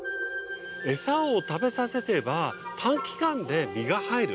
エサを食べさせてれば短期間で身が入る。